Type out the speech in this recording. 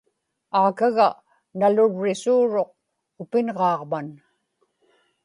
aakaga nalurrisuuruq upinġaaġman